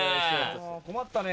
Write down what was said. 困ったね。